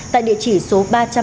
tại địa chỉ số ba trăm ba mươi tám